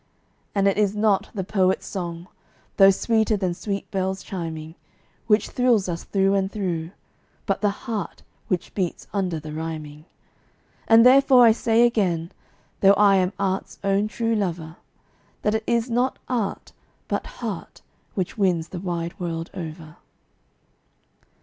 And it is not the poet's song, though sweeter than sweet bells chiming, Which thrills us through and through, but the heart which beats under the rhyming. And therefore I say again, though I am art's own true lover, That it is not art, but heart, which wins the wide world over.